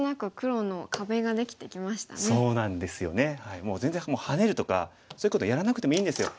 もう全然ハネるとかそういうことやらなくてもいいんですよ。